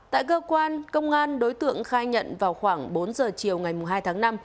tại cơ quan công an đối tượng khai nhận vào khoảng bốn giờ chiều ngày hai tháng năm